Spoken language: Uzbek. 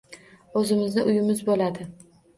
Oʻzimizni uyimiz boʻladi…